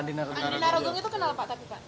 andi narogong itu kenal pak